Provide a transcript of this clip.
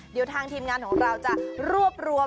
เดี๋ยวทางทีมงานของเราจะรวบรวม